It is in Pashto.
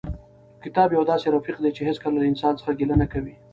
کتاب یو داسې رفیق دی چې هېڅکله له انسان څخه ګیله نه کوي.